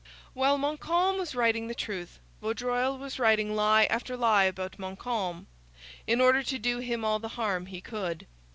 While Montcalm was writing the truth Vaudreuil was writing lie after lie about Montcalm, in order to do him all the harm he could.